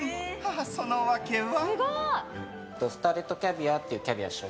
その訳は。